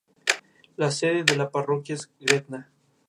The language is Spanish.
La sede de la parroquia es Gretna.